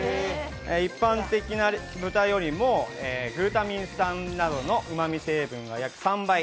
一般的な豚よりもグルタミン酸などのうまみ成分が約３倍。